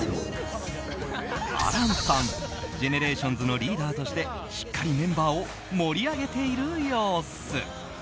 ＧＥＮＥＲＡＴＩＯＮＳのリーダーとしてしっかりメンバーを盛り上げている様子。